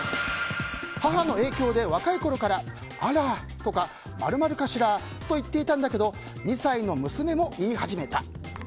母の影響で若いころからあらとか○○かしらと言っていたんだけど２歳の娘も言い始めた。